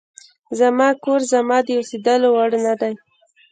زما کور زما د اوسېدلو وړ نه دی.